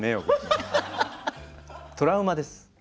トラウマです。